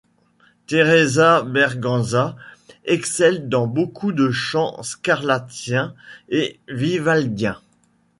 Teresa Berganza excelle dans beaucoup de chants scarlattiens et vivaldiens...